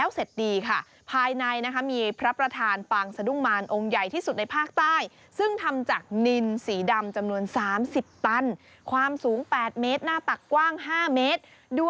เนี่ยนัเพื่อคุณผู้ชมล้วนเลย